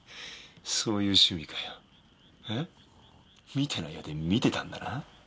見てないようで見てたんだな。